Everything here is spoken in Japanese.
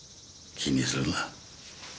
気にするな。